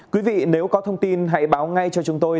quý vị nếu có thông tin hãy báo ngay cho chúng tôi